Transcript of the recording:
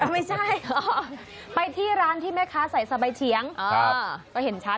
ไม่ใช่ไปที่ร้านที่แม่ค้าใส่สบายเฉียงก็เห็นชัด